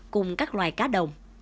cùng các loài cá đồng